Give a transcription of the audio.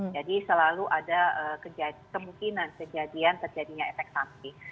selalu ada kemungkinan kejadian terjadinya efek samping